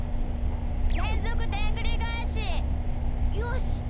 れんぞくでんぐりがえし！よし！